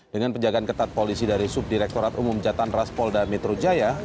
dengan penjagaan ketat polisi dari subdirektorat umum jatan ras polda metro jaya